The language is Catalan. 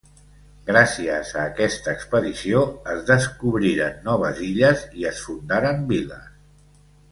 Gràcies a aquesta expedició es descobriren noves illes i es fundaren viles.